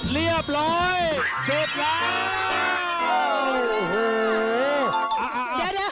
เรียบร้อยสุดแล้ว